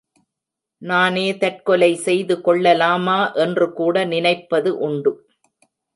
நானே தற்கொலை செய்து கொள்ளலாமா என்று கூட நினைப்பது உண்டு.